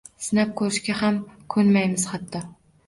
Sinab ko‘rishga ham ko‘nmaymiz, hatto.